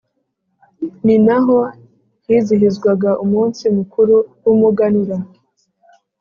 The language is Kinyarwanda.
Ni naho hizihizwaga umunsi mukuru w’umuganura